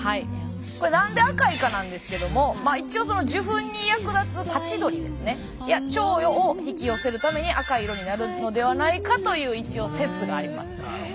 これ何で赤いかなんですけどもまあ一応受粉に役立つハチドリですねやチョウを引き寄せるために赤い色になるのではないかという一応説があります。